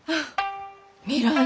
未来